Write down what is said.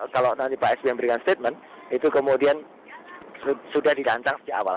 kalau nanti pak s yang memberikan statement itu kemudian sudah didancang sejak awal